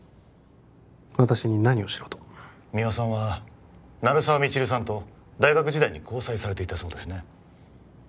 私に何をしろと三輪さんは鳴沢未知留さんと大学時代に交際されていたそうですね